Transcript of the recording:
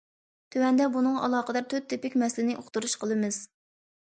تۆۋەندە بۇنىڭغا ئالاقىدار تۆت تىپىك مەسىلىنى ئۇقتۇرۇش قىلىمىز.